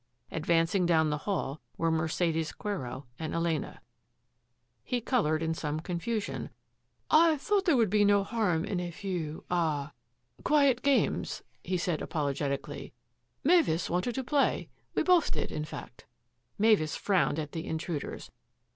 Advancing down the hall were Mercedes Quero and Elena. He coloured in some confusion. " I thought there would be no harm in a few — ah — quiet 248 THAT AFFAIR AT THE MANOR games/' he said apologetically. " Mavis wanted to play. We both did, in fact.*' Mavis frowned at the intruders.